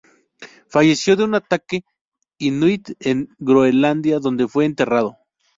Falleció de un ataque inuit en Groenlandia, donde fue enterrado.